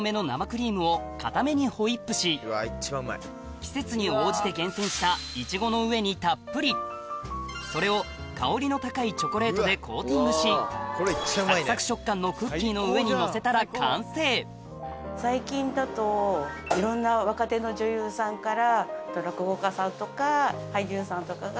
季節に応じて厳選したイチゴの上にたっぷりそれを香りの高いチョコレートでコーティングしサクサク食感のクッキーの上にのせたら完成ここでちょっくらそうこちら。